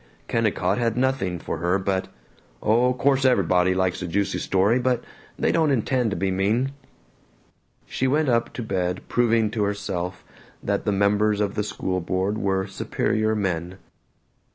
Kennicott had nothing for her but "Oh, course, ev'body likes a juicy story, but they don't intend to be mean." She went up to bed proving to herself that the members of the school board were superior men.